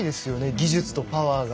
技術とパワーが。